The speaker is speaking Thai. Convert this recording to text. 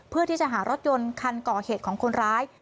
เพื่อที่จะหารถยนต์คันก่อเหตุของคนร้าย